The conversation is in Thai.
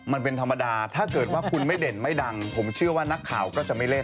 มันเป็นธรรมดาถ้าเกิดว่าคุณไม่เด่นไม่ดังผมเชื่อว่านักข่าวก็จะไม่เล่น